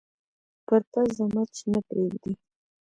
پر پزه مچ نه پرېږدي